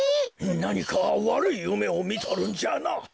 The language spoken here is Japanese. なにかわるいゆめをみとるんじゃな。